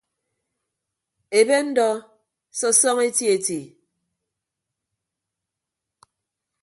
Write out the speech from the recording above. Ebe ndọ sọsọñọ eti eti.